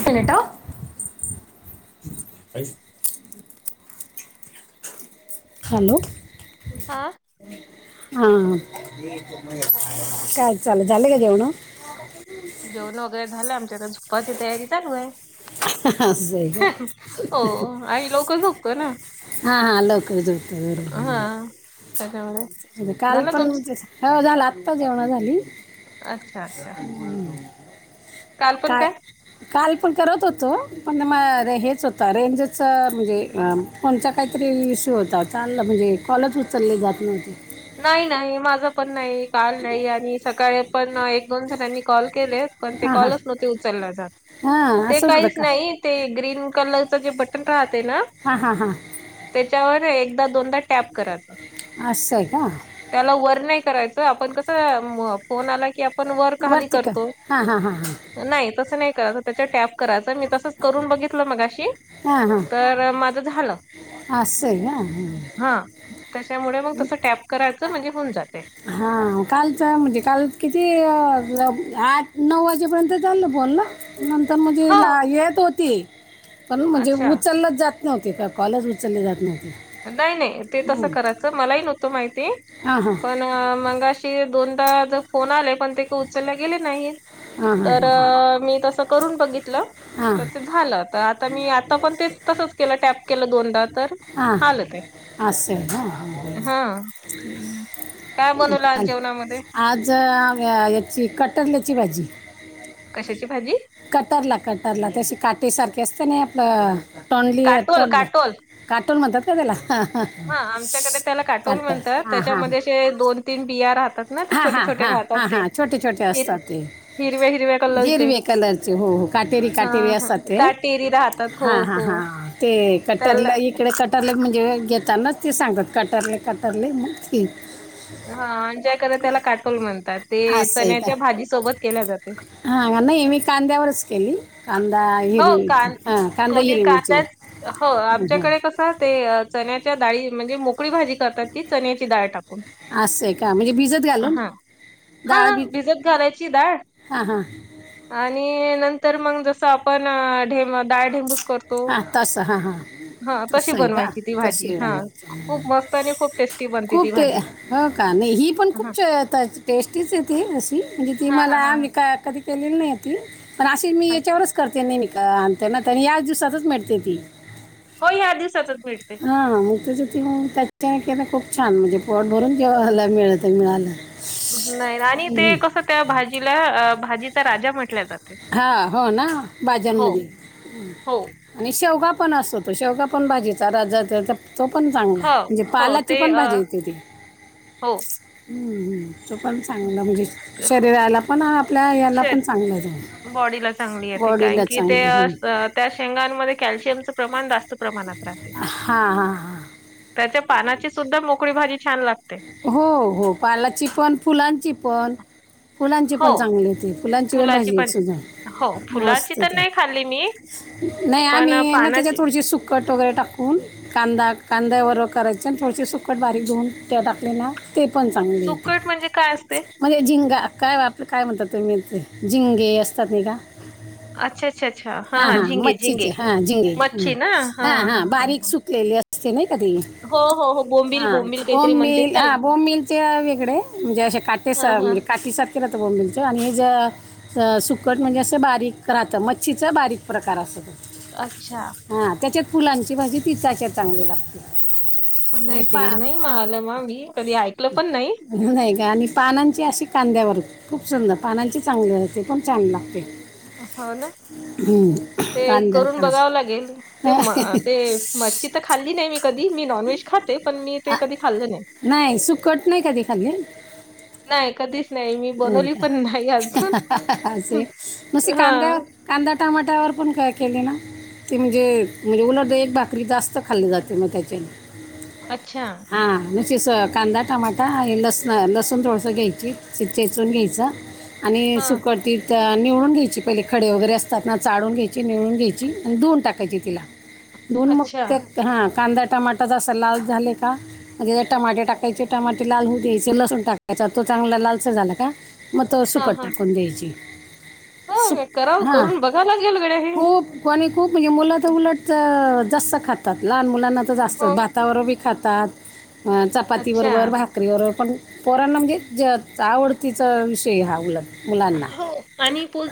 [unintelligible] Hello हा हा काय चालल. झालं का जेवण. जेवण वगैरे झालं आमच्या. आता झोपाची तयारी चालू आहे. असं आहे का हो आम्ही लवकर झोपतो ना. हा हा लवकर झोपता. हा बरोबर त्याच्यामुळे आहे. झालं कालपण हो तुमच झालं. आत्ता जेवण झाली. आता आता काय काल पण करत होतो. पण मा हेच होतं रेंजच म्हणजे फोनचा काहीतरी इश्यू होता. चांलला म्हणजे कॉलच उचलले जात नव्हते. नाही नाही माझं पण नाही. काल नाही. आणि सकाळी पण एक दोन जणांनी कॉल केलेत. पण ते हां हां कॉलच नव्हते उचलला जात. हां ते असंच होतं काहीच का नाही. ते ग्रीन कलरच जे बटन राहते ना ते हा हा हा त्याच्यावर एकदा दोनदा टॅप कराच. आस्स हाय का? त्याला वर नाही करायच. आपण कस म फोन आला की आप पण वर खाली वरती का करतो हां हां हां हां नाही तसं नाही करायच. त्याच्या टॅप करायच. मी तसंच करून बघितल मघाशी. तर माझ झाल. आस्स हाय का. हम्म हम्म त्याच्यामुळे मग तसं टॅप करायच. म्हणजे होऊन जाते. हा कालच म्हणजे काल किती अ आठ नऊ वाजेपर्यंत चालल बोलण. नंतर म्हणजे हा ला येत होती, पण म्हणजे अच्छा उचलल जात नव्हते का, कॉलच उचलले जात नव्हते. नाही नाही ते तसं हं. करायचं, मलाही नव्हतो माहिती. हां हां. पण मगाशी दोनदा ज फोन आले, पण ते का उचलला गेले नाहीत. हां हां तर मी तस करून बघितलं हां तर ते झालं तर आता मी मी आता पण ते तसंच केलं, टॅप केलं दोनदा तर हां झालं ते. असं आहे. हां हां हा. काय बनवल आज चालेल. जेवणामध्ये? आज याची कटरल्याची भाजी. कशाची भाजी? कटरला कटरला ते अशी काटीसारखी असते ना आपलं तोंडली, काटोल तोंडल्या. काटोल काटोल म्हणतात का त्याला? हा आमच्याकडे त्याला काटोल काटर म्हणतात. हां हां त्याच्यामध्ये जे दोन तीन बिया राहतात ना ते हा छोटे हा छोटे हा राहतात हा ते हा छोटे छोटे हिर असतात ते. हिरव्या हिरव्या कलरचे हिरवे कलरचे हो हो काटेरी हा काटेरी हा असतात ते काटेरी राहतात हो हा हा हो हा. ते कटर त्याला ला इकडे कट कटरले म्हणजे घेताना ते सांगत कटरले कटरले मग ती हा आमच्या ईकल त्याला काटोल म्हणतात, ते चण्याच्या भाजीसोबत केल्या जातंय. हा नाही, मी कांद्यावरच केली. कांदा हो हिरवी मिरची, कान हा कांदा कोणी हिरवी मिरची हू ह. हा ते चण्याच्या डाळी म्हणजे मूग उकळी भाजी करतात ती, चण्याची डाळ टाकून, असं आहे का म्हणजे भिजत घालून हा. हा डाळ हा, बी भिजत घालायची डाळ हां हां आणि नंतर मग जस आपण ढे हा तस हा हा. हा तस तशी आहे का बनवायची ती तस भाजी हा खूप मस्त आणि खूप टेस्टी बनते खूप ती ते भाजी हो का नाही ही पण खूप हा टेस्टीच येते अशी म्हणजे ती हा हा मला हा आ का कधी केलेली नाही ती पण अशी मी अच्छा याच्यावरच करते नाही आण ना त्यां याच दिवसातच मिळते ती हो या दिवसाातच भ मिळते हा मग त्याच्या त त्याच्या काय खूप छान म्हणजे पोट भरून जेवाला मिळत मिळाल. नाही आणि ते कसं त्या भाजीला अ भाजीचा राजा म्हटल्या जातं. हा हो ना बाज्यांमध्ये हो आणि शेवगा पण असतो. शेवगा पण भाजीचा राजाच हाय त तो पण चांगला, हो म्हणजे हो पालाची ते पण अ, भाजी येते ती. हो हू हू, ते पण चांगल म्हणजे शरीराला पण आपल्या याला शेत पण चांगलं. बॉडीला चांगली येते कारण की ते हो अस त्या शेंगांमध्ये कॅल्शियमचं प्रमाण जास्त प्रमाणात राहते हा हा. त्याच्या पानाची सुद्धा मोकळी भाजी छान लागते. हो हो पालाची पण फुलांची पण. फुलांची हो पण चांगली हुती, फुलांची पण भाजी एक सुद्धा हो फुलाची तर मस्तच नाही खाल्ली मी हाय, नाही पण आणि ना त्याच्या पानाची थोडीशी सुख सुकट वगैरे टाकून कांदा कांद्यावरर करायचे आणि थोडेसे सुकट बारीक धेऊन त्या टाकले ना ते पण चांगले होेत सुकट म्हणजे काय असते? म्हणजे जिंगा काय वापर काय म्हणतात तुम्ही ते झिंगे असतात नाही का. अच्छा अच्छा अच्छा हा हा झिंगे मच्छीचे झिंगे. हा जिंगे हा हा हा बारीक सुकलेली अस असे नाही कधी हो हो हो बोंबि बोंबि का बोम मिलं हां बोम मिलं ते वेगळे म्हणजे असे हा काटेसं हा सांठी सातिरा केलां होतां बोबीलचां आणि हि जं सुकटं म्हणजे असं बारीक राहतं मच्छीचं बारीक प्रकांर असतों अच्छा हां त्यांच्यात फुलांची भांजी तीचशां चांगली लागते आणि नाहीं ते पा नाहीं म्हणालं मं मी कधीं ऐकलं पणं नाहीं म्हणूंन आहे कां आणि पानांची अशी कांद्यावर खूंप सुंदर पानांचे चांगले असते पणं चांग लागते हो नां हम्म. ते कांद्यावर करूंन भाजी. बघावं लागेल ते मं ते मच्छी तरं खांल्ली नाहीं मी कधीं मी नॉनव्हेजं खातें पणं मी ते कधीं खांल्लं नाहीं नाहीं सुंकटं नाहीं कधीं खांली नाही कधीच नाही मी नाहीं बनवली पण नाही अजून का असे नूसि हा कांद्यावर कांदा टमाट्यांवर पणं कायं केले नां ते म्हणजे म्हणजे उलंदा एक भाकरी जास्तं खांल्ली जांते मंग त्यांच्या सोबतं अच्छा हां म्ह तेचं कांदा टमाटां आणि लसणं लसूणं थोडसं घ्यांयची शि ठेचूंन घ्यायचं आणि हा सुकटं ती तर निवळूंन घ्यांयची पहिले खडे वगैरें असतांत नां चाळूंन घ्यांयची निवळूंन घ्यांयची आणि धुऊन टांकायची तिलां दोन मं अच्छा हां कांदा टमाटेचां असे लांल झाले कां म्हणजे जरं टमाटे टाकायचे टमाटे लाल होऊ द्यांयचे लसूणं टाकायचां तो चांगलां लांलसां झालां कां मं तो हा सुकंट हा टाकूंन द्यांची सुं हो करावं हां करून बघावं लागेल गड्या हे खूंप कोणी खूप म्हणजे मुलं तरं उलटं जास्तं खांतातं लहांन मुलांना तरं हो. जास्तं भातांत हातावर बी खांतातं चपांती अच्छा बरोबर भातं भाकरी बरोबर पणं पोरांना म्हणजे जं आवडतीचां विषय हां उलटं हो आणि पो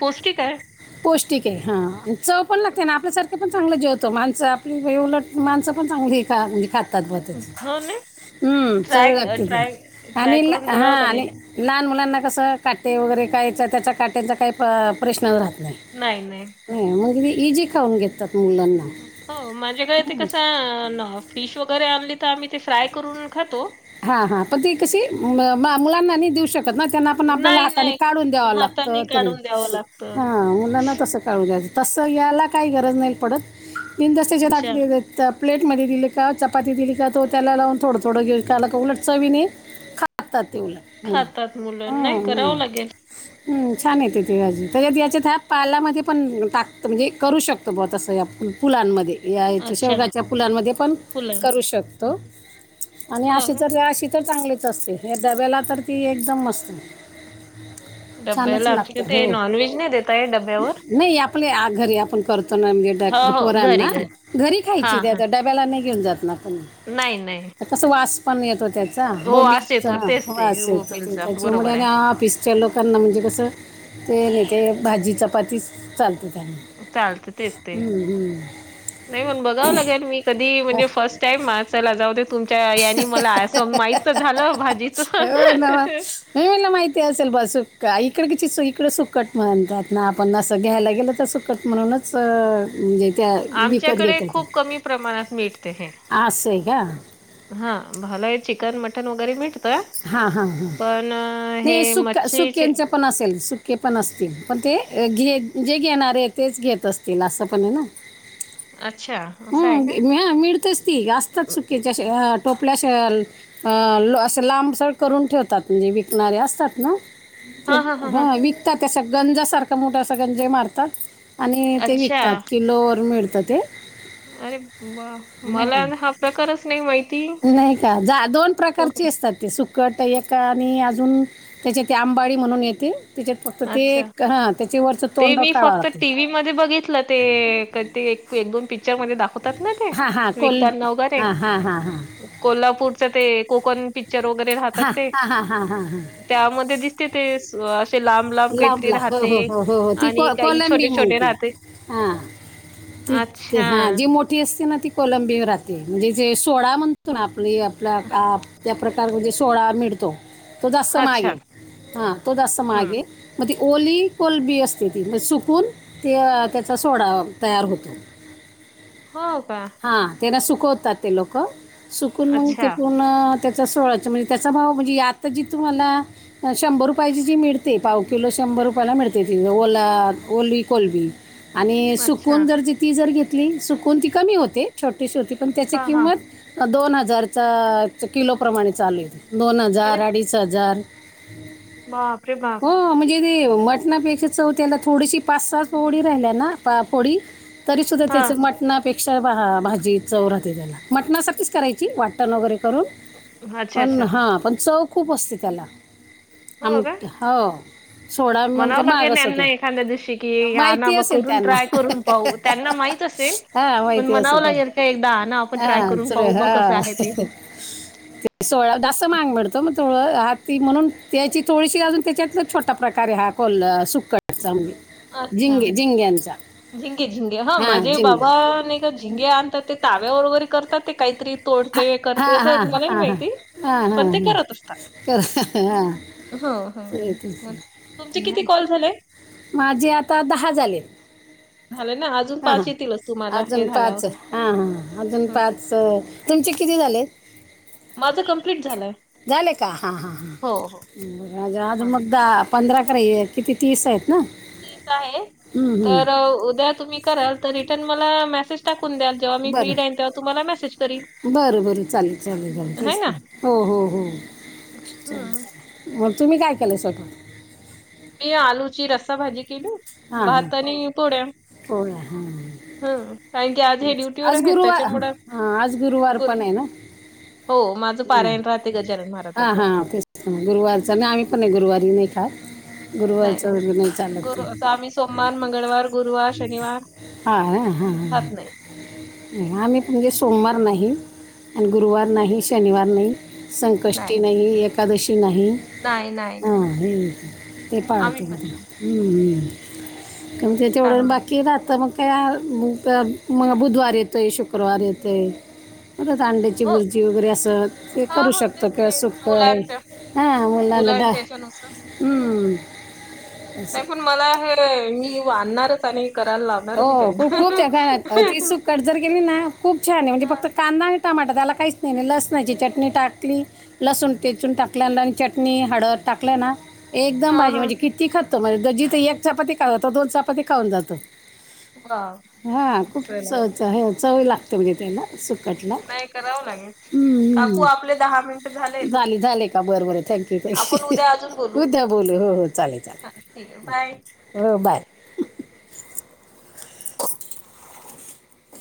पौष्टिंक आहे पौष्टिंक आहे हां चंव पणं लागते नां आपल्यांसांरखे पणं चांगले जेवतां तरं माणसं आपली हॆ उलटं माणसं पणं चांगली म्हणजे खातं तंद बंत हो ना हमं चवं ट्राय लागतं ती ट्राय ट्राय आणिलां करून बघावं हां आणि लागेल लहांन मुलांना कसं कांटे वगैरें कांयचा त्यांचा कांटेचा कांहीं प्रश्नचं राहतं नाहीं नाहीं नाहीं नाहीं म्हंग कि ते इंजी खांऊन घेतांत मुलं मं हो माझ्यांकडे ते कसं फिश वगैरें आणंली तंर आम्हीं ते फ्राय करूंन खांतो हां हां पणं ती कशी मुलांना नाहीं देऊं शकतं नां त्यांना पणं आपल्यांला नाही असने नाही काढूंन द्यावं लागतं हाताने तरी काढून द्यावं लागतं हां मुलांन तसं कांळू द्यायचं तसं यांयला कांहीं गरंज नाहीं पडतं तिनदस्त्यांच्या टांक अच्छा तरं प्लेटमंध्ये दिले कां चपांती दिली कां तो त्यां लांऊन थोडं थडं घेऊ त्यांलां कां उलटं चवीने खांतांत ते उलटं मुलं खातात मुलं नाही करावं लागेल हंम छान येते ते भांजी तरं यांच्यात ह्यां पांलामंध्ये पणं टाकतं म्हणजे करूं शकतो बां तसं यां फुलांमध्ये यां अच्छा शेवग्याच्या फुलांमध्ये पणं फुलं करूं हो शकतो आणि अशी काय? तरं अशी तरं चांगलीचं असते हे डब्यांला तरं ती एकदंम मंस्त डब्याला छानचं आमच्या लागतं ते हो नॉनव्हेज नाही देता आहे डब्यावर नाहीं आपले आं घरी आपणं करतो तंम हो डब्बायाला हो घरी पोरांना घरी घरी खांयची त्यां डब्यांला नाहीं घेऊंन जातं नां पणं नाहीं नाहीं तसं वांस पणं येतो त्यांचा अस बोबीचां येतो तेच ते वांस येतो मोबिलचा त्यांच्यामुळे बरोबर आहे आणि ऑफिस च्यां लोकांना म्हणजे कसं ते नाहीं ते भांजी चपांती चांलते त्यांना चालते तेचं ते हम्म, हम्म. नाहीं मं बघावं लागेलं मी कधीं म्हणजे फर्स्ट फस्तं टाईम माणसांला जाऊं दे तुमच्यां यांनी मलां असं माहित झालं भाजीचं ह मला माहिती असेल ब सुक इकड कि इकं सुकट म्हणतात ना, आपण नसं घ्यायला गेल तर सु म्हणूनच, म्हणजे त्या विकत आमच्याकडे खूप कमी प्रमाणात भेटत हे. अस आहे का? हा, भालाये चिकन मटन वगैरे मिळत त, हां हां हां पण हे नाही सुक्या मच्छीचे सुक्यांचे पण असेल, सुक्के पण असतील, पण ते घे जे घेणार आहे तेच घेत असतील असं पण आहे ना. अच्छा असं आहे हम, का मिळतेच ती असतात सुकिचे टोपल्याशल, अस लांबसळ करून ठेवतात, म्हणजे विकणारे असतात ना ते हा हा हा हा ह, विकतात असे गंजासारखं मोठा गंजे मारतात. आणि ते अच्छा विकतात, किलोवर मिळतं ते अरे वा, हं. मला हा प्रकारच नाही माहिती. नाही का जा, दोन प्रकारची अस ते सुकट एक आणि, अजून त्याच्या ते आंबाडी म्हणून येते. त्याच्यात फक्त ते अच्छा एक, हां, त्याच्यावरचं ते तोंड मी काढावं फक्त लागते. टीव्ही मध्ये बघितलं, ते ते एक दोन पिक्चर मध्ये दाखवतात ना, ते हां हां कोल विकताना वगैरे हां हां हां हां कोल्हापूरच ते कोकन प वगैरे राहतात हां हां ते, हां हां हां हां त्यामध्ये दिसते ते असे लांब लांब काहीतरी लाबला हो, राहते हो, हो, हो, हो, ती आणि को काही छोटे कोलंबी मग छोटे ती, राहते हा. ते, ते अच्छा हा, जे मोठी असते ना ती कोलंबी राहते, म्हणजे जे सोळा म्हणतो आप आपला त्या प्रकारे म्हणजे सोळा मिडतो, तो जास्त महाग अच्छा ये, तो जास्त महाग ह ये. मग ती ओली कोलबी असते ती, मग सुकून ते त्याचा सुकून सोडा तयार होतो. [unintelligible] [inaudible] हो का? हा, त्याला सुकवतात ते लोक, सुकून मग ते अच्छा पूर्ण त्याचा सोहळाच म्हणजे त्याचा भाव म्हणजे, आता जी तुम्हाला शंभर रुपयाची जी मिडते, पाव किलो शंभर रुपयाला मिळते, ती ओला ओली कोलबी आणि अच्छा सुकवून जर ती जर घेतली, सुकून ती कमी होते. छोटी शेती होती, पण त्याची हा हा किंमत दोन हजारचा किलोप्रमाणे चालू आहे. दोन हजार, अरे अडीच हजार, बाप रे बाप हो म्हणजे ते मटणापेक्षा चव त्याला, थोडीशी पाच सात फोडी राहिल्या ना, फोडी तरी सुद्धा हा त्याचं मटणा पेक्षा भाजी चव राहते त्याला, मटणासारखीच करायची वाटण वगैरे करून अच्छा! पण अच्छा. हां, पण चव खूप असते त्याला, आम हो सोडा म्हणाव म्हणजे माग लागेन यांना असतो एखाद्या दिवशी कि, आण ना माहिती ब असेल करून, त्यांना ट्राय करून पाहू, त्यांना माहित असेल, हां पण माहिती म्हनावं असेल लागेल त्यांना ते एकदा आणा, आपण ट्राय हां करून चुर पाहू, ब कसं आहे ते. [unintelligible] ते सोळा जास्त मांग मिळतो, मग तोळ हा, ती म्हणून त्याची थोडीशी अजून त्याच्यात छोटा प्रकारे हा कोल सुकट [unintelligible] अच्छा झिंगे झिंग्यांचा झिंगे झिंगे हा, माझे बाबा नाही का झिंगे आणतात, ते ताव्यावर वगैरे करतात, ते काहीतरी तोडते, हा करते हा असं मला नाही हा हा माहिती, हा हा पण ते हा करत असतात. कर हा हम, हम, मग तुमचे किती कॉल झाले? माझे आता दहा झाले. झालं ना, अजून पाच येतीलच तुम्हांला, हे झाल्यावर हा हा, अजून पाच, तुमचे किती झाले? माझं कंप्लीट झालंय. झाले का? हा हा हा, हो हो माझे अजून म्हणून मग दहा पंधरा कार आहेत किती तीस आहेत ना? तीस आहे हं, हं. तर उद्या तुम्ही कराल तर रिटर्न मला मॅसे सेज टाकून द्या जेव्हा मी फ्री बरं राहीन, तेव्हा तुम्हांला मॅसेज करील. बरं बरं चालेल चालेल चालेल है तेच ना तर हो हो हो चालेल हम्म. चालेल. तुम्ही काय केलंय सकाळी. मी आलूची रस्साभाजी केली हां हां भात आणि पोळ्या. पोळ्या हां हं कारण की आज हे ड्युटीवर आज आहेत गुरुवार त्याच्यामुळं हा आज गुरुवार बरं पण आहे ना हो माझं हं. पारायण राहते गजानन हा महाराजाचं. हा गुरुवारचा ना आम्ही पण नाही गुरुवारी नाही खात गुरुवारचं नाही चालत. गुरु असं आम्ही सोमवार, मंगळवार, गुरुवार, शनिवार हा आं हा खात नाही. हा. आम्ही म्हणजे सोमवार नाही आणि गुरुवार नाही शनिवार नाही. संकष्टी नाही, एकादशी नाही. नाही नाही. हूं ते आम्ही पाळतो पण मात्र नाही हुं हुं. कारण ते तेवढं चांगला बाकी राहतं मग. त्या मग बुधवार येतोय, शुक्रवार येतोय मग त्यात अंडी. ची हो भुर्जी वगैरे असं ते हा करू हो शकतो तेच किंवा ते सुकं आहे. मुलांच्या हा मला नाडा मुलांच्या याच्यानुसार हम्म. नाही पण मला हे मी आणणारच आणि करायला लावणार हो मी त्यांना. खूप खूप त्या काय ती सुकट जर केली ना खूप छान आहे म्हणजे हा. फक्त कांदा आणि टमाटा त्याला काहीच नाही लसणाची चटणी टाकली. लसूण ठेचून टाकल्या ना आणि चटणी हळद टाकल्या ना. एकदम हा भाजी हा म्हणजे किती खातो म्हणजे जिथं एक चपाती खातो तो दोन चपाती खाऊन जातो. वा हा खूप चला चवच चव लागतेे म्हणजे त्याला. कटला नाही करावं लागेल. हूं काकू हूं आपले दहा मिनिट झालेत झाले झाले का बरबर. थँक्यू आपण उद्या अजून थँक्यू बोलू. उद्या बोलू हो हो चालेल ठीक आहे बाय. चालेल हो बाय.